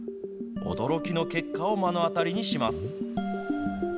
驚きの結果を目の当たりにします。